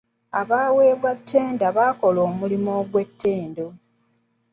Abaaweebwa ttenda baakola omulimu ogw'ettendo.